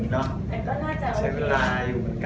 ทั้งสองคนเลยไหมคะ